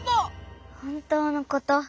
ほんとうのこと。